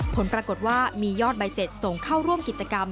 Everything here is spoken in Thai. ผลปรากฏว่ามียอดใบเสร็จส่งเข้าร่วมกิจกรรม